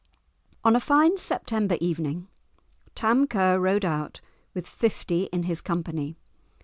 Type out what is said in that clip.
On a fine September evening Tam Ker rode out, with fifty in his company.